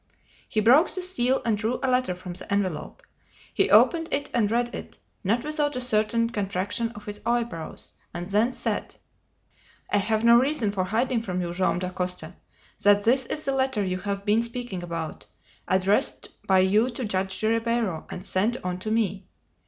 He broke the seal and drew a letter from the envelope. He opened it and read it, not without a certain contraction of his eyebrows, and then said: "I have no reason for hiding from you, Joam Dacosta, that this is the letter you have been speaking about, addressed by you to Judge Ribeiro and sent on to me.